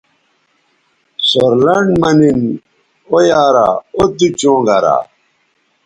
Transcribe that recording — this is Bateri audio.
سور لنڈ مہ نِن او یارااو تُو چوں گرا